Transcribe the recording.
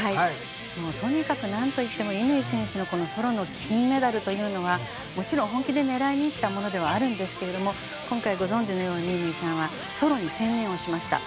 とにかくなんといっても乾選手のソロの金メダルというのはもちろん本気で狙いに行ったものではあるんですけど今回ご存じのように乾さんはソロに専念をしました。